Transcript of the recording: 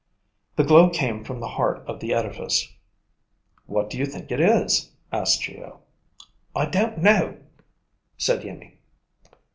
The glow came from the heart of the edifice. "What do you think it is?" asked Geo. "I don't know," said Iimmi.